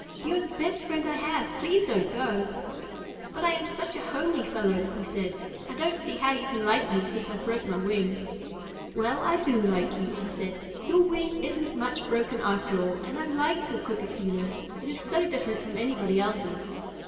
"You are the best friend I have. Please don't go." "But I am such a homely fellow," he said. "I don't see how you can like me since I broke my wing." "Well, I do like you," she said. "Your wing isn't much broken after all, and I like your crooked feeler. It is so different from anybody else's."